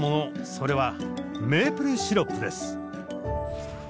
それはメープルシロップです。